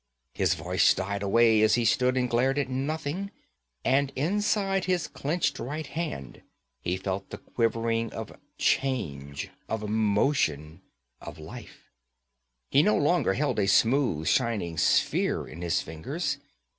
His voice died away as he stood and glared at nothing; and inside his clenched right hand he felt the quivering of change, of motion, of life. He no longer held a smooth shining sphere in his fingers.